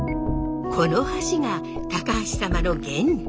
この橋が高橋様の原点。